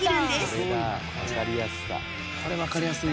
これわかりやすいよ。